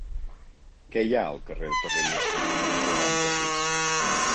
Què hi ha al carrer de Torrevieja número quaranta-sis?